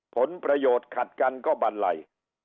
ผลประโยชน์ขัดกันก็บันไล